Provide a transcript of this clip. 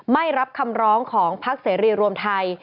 ไม่รับคำร้องของพักเสรีรวมไทย